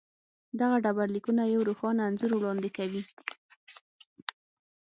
دغه ډبرلیکونه یو روښانه انځور وړاندې کوي.